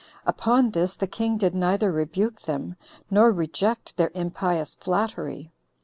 Upon this the king did neither rebuke them, nor reject their impious flattery.